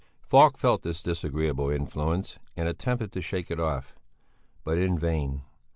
Falk felt this disagreeable influence and attempted to shake it off; but in vain.